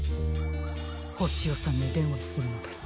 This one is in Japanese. ホシヨさんにでんわするのです！